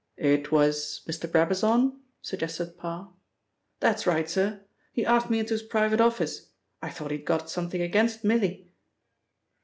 "It was Mr. Brabazon?" suggested Parr. "That's right, sir. He asked me into his private office. I thought he'd got something against Milly."